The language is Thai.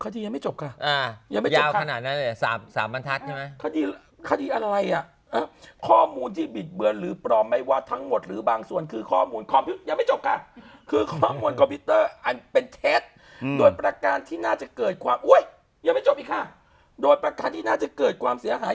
ถ้าไม่จะเป็นอย่าไปโดนห่างเขาอย่างเดียว